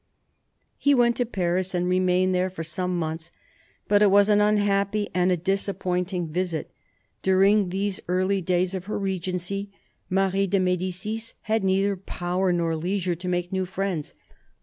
He went to Paris, and remained there for some months ; but it was an unhappy and a disappointing visit. During these early days of her regency, Marie de Medicis had neither power nor leisure to make new friends.